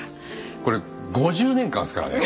これ５０年間ですからね。